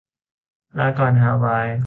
ลาก่อนฮาวาย